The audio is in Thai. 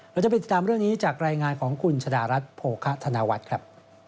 เราจะไปติดตามเรื่องนี้จากรายงานของคุณชะดารัฐโภคะธนวัฒน์ครับ